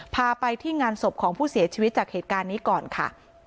พาไปที่งานศพของผู้เสียชีวิตจากเหตุการณ์นี้ก่อนค่ะ